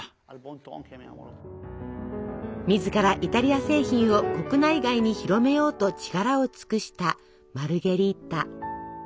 自らイタリア製品を国内外に広めようと力を尽くしたマルゲリータ。